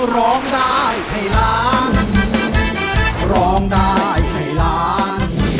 ร้องได้ให้ล้าน